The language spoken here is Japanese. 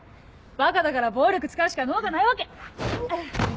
ばかだから暴力使うしか能がないわけ。